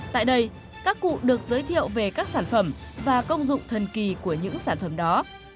tại đây các cụ được giới thiệu về các sản phẩm và công dụng thần kỳ của những sản phẩm đó